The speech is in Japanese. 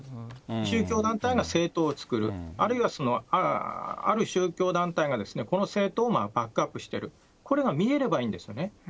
宗教団体の政党を作る、あるいはある宗教団体がこの政党をバックアップしている、これが見えればいいんですよね。